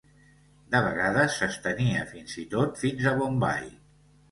De vegades s'estenia fins i tot fins a Bombai.